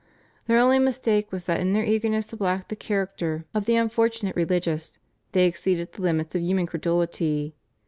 Their only mistake was that in their eagerness to black the character of the unfortunate religious they exceeded the limits of human credulity.